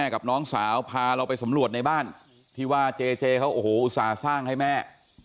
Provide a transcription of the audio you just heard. กับน้องสาวพาเราไปสำรวจในบ้านที่ว่าเจเจเขาโอ้โหอุตส่าห์สร้างให้แม่